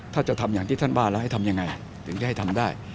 ถ้าจะทำอย่างที่ท่านว่าแล้วให้ทำยังไงถึงจะให้ทำได้